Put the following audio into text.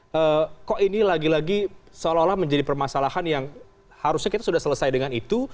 bahwa kok ini lagi lagi seolah olah menjadi permasalahan yang harusnya kita sudah selesai dengan itu